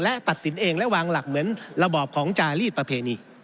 และตัดสินเองและวางหลักเหมือนระบอบของจารีสประเพณี